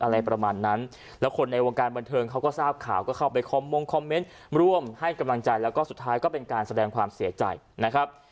อะไรประมาณนั้นแล้วคนในวงการบันเทิงเขาก็ทราบข่าวก็เข้าไปคอมมงคอมเมนต์ร่วมให้กำลังใจแล้วก็สุดท้ายก็เป็นการแสดงความเสียใจนะครับ